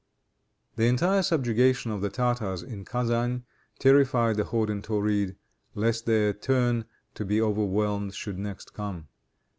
The entire subjugation of the Tartars in Kezan terrified the horde in Tauride, lest their turn to be overwhelmed should next come.